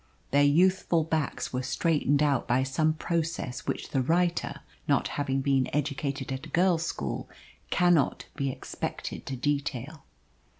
Their youthful backs were straightened out by some process which the writer, not having been educated at a girls' school, cannot be expected to detail.